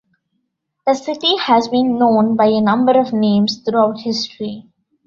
The city has been known by a number of names throughout history.